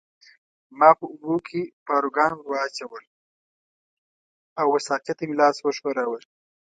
ما په اوبو کې پاروګان ورواچول او وه ساقي ته مې لاس وښوراوه.